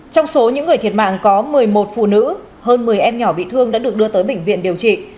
trong số những người thiệt mạng có một mươi một phụ nữ hơn một mươi em nhỏ bị thương đã được đưa tới bệnh viện điều trị